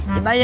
nih pak ya